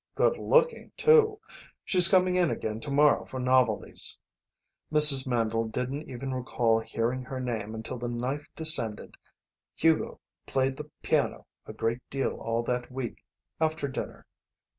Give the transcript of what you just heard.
Good looking, too. She's coming in again to morrow for novelties." Ma Mandle didn't even recall hearing her name until the knife descended. Hugo played the piano a great deal all that week, after dinner.